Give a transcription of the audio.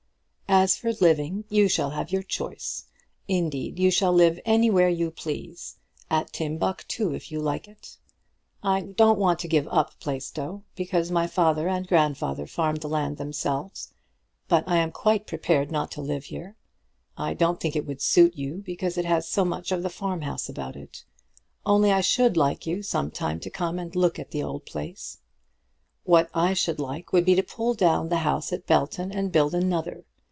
As for living, you shall have your choice. Indeed you shall live anywhere you please; at Timbuctoo if you like it. I don't want to give up Plaistow, because my father and grandfather farmed the land themselves; but I am quite prepared not to live here. I don't think it would suit you, because it has so much of the farm house about it. Only I should like you sometimes to come and look at the old place. What I should like would be to pull down the house at Belton and build another.